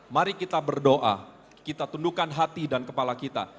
mari kita berdoa kita tundukkan hati dan kepala kita